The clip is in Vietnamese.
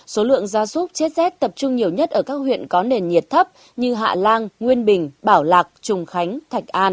số lượng gia súc chết rét tập trung nhiều nhất ở các huyện có nền nhiệt thấp như hạ lan nguyên bình bảo lạc trùng khánh thạch an